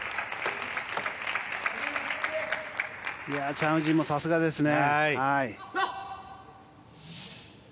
チャン・ウジンもさすがですね。